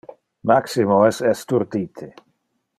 Maximo es esturdite.